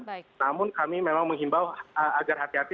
namun kami memang menghimbau agar hati hati